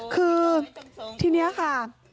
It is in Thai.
คือทีนี้ค่ะ